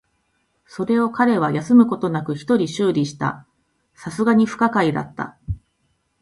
それを彼は休むことなく一人修理した。流石に不可解だった。